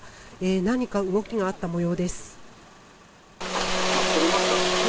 何か、動きがあった模様です。